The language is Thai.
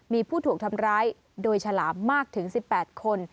มีผู้ถูกทำร้ายโดยฉลามมากถึง๑๘คน